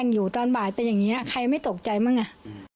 น้ำตรงนี้มันคือสาเหตุที่ทำให้สามีเธอเสียชีวิตรึเปล่า